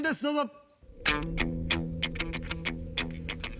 どうぞ。